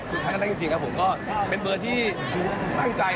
ถูกใจก็ได้จริงครับผมก็เป็นเบอร์ที่ดูตั้งใจ